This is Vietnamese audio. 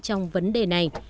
trong vấn đề này